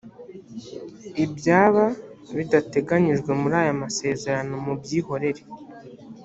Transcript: ibyaba bidateganyijwe muri aya masezerano mubyihorere